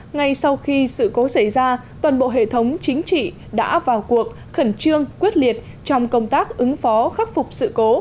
ngay sau khi sự cố xảy ra toàn bộ hệ thống chính trị đã vào cuộc khẩn trương quyết liệt trong công tác ứng phó khắc phục sự cố